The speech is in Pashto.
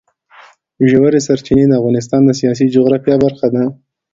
ژورې سرچینې د افغانستان د سیاسي جغرافیه برخه ده.